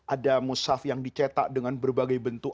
ada musyaf yang dicetak dengan berbagai bentuk